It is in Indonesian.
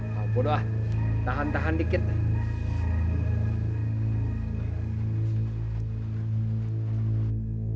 kau bodoh tahan tahan dikit